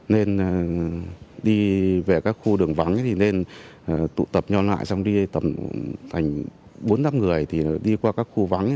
nên đi về các khu đường vắng nên tụ tập nhau lại xong đi tầm bốn năm người đi qua các khu vắng